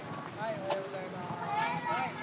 おはようございます。